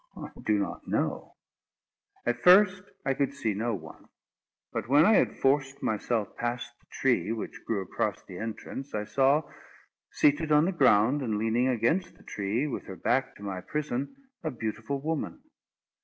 I do not know. At first I could see no one; but when I had forced myself past the tree which grew across the entrance, I saw, seated on the ground, and leaning against the tree, with her back to my prison, a beautiful woman.